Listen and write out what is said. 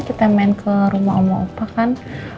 kita main ke rumah omong opa kan